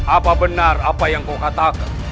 apa benar apa yang kau katakan